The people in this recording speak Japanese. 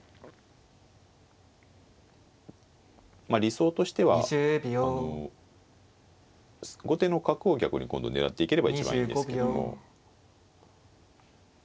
まあ理想としてはあの後手の角を逆に今度狙っていければ一番いいんですけども。